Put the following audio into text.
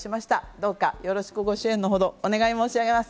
どうかよろしくご支援のほどお願い申し上げます。